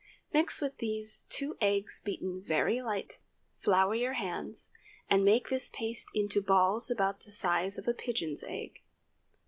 Mix with these two eggs beaten very light, flour your hands, and make this paste into balls about the size of a pigeon's egg.